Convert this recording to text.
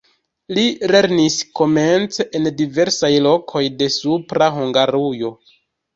Li lernis komence en diversaj lokoj de Supra Hungarujo.